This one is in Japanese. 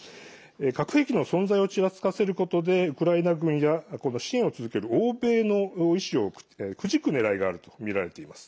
核兵器の存在をちらつかせることでウクライナ軍や支援を続ける欧米の意思をくじくねらいがあるとみられています。